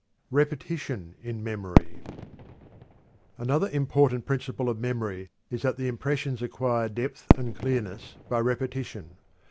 REPETITION IN MEMORY. Another important principle of memory is that the impressions acquire depth and clearness by repetition.